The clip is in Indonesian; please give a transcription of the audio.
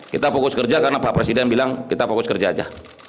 kita fokus kerja karena pak presiden bilang kita fokus kerja aja